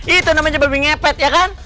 itu namanya babi ngepet ya kan